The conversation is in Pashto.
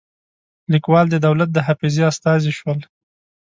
لیکوال د دولت د حافظې استازي شول.